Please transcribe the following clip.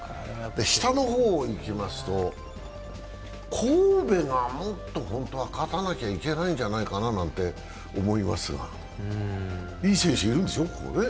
下の方にいきますと、神戸がもっと本当は勝たなきゃいけないんじゃないかなと思いますがいい選手いるんでしょ、ここね。